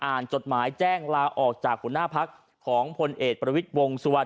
จดหมายแจ้งลาออกจากหัวหน้าพักของพลเอกประวิทย์วงสุวรรณ